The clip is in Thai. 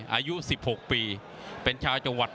อายุ๑๖ปีเป็นชาวจังหวัด